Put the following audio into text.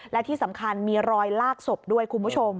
และที่สำคัญมีรอยลากศพด้วยคุณผู้ชม